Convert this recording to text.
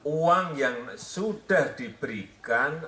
uang yang sudah diberikan